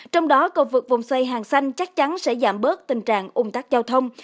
trong đó cầu vượt vùng xây hàng xanh chắc chắn sẽ giảm bớt tình trạng ung tắc giao thông